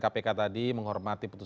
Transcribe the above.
apo menerut mu